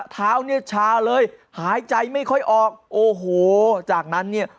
เท้าเนี่ยชาเลยหายใจไม่ค่อยออกโอ้โหจากนั้นเนี่ย